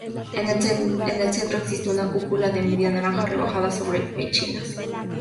En el centro existe una cúpula de media naranja rebajada sobre pechinas.